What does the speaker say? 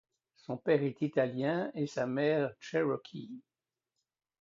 Son père est italien et sa mère cherokee.